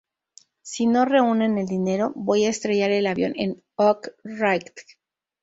Si no reúnen el dinero voy a estrellar el avión en Oak Ridge.